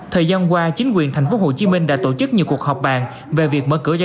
thời gian qua chính quyền thành phố hồ chí minh đã tổ chức nhiều cuộc họp bàn về việc mở cửa cho